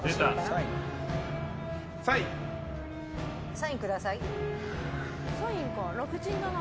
サインくださいかな？